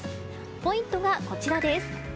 ポイントはこちらです。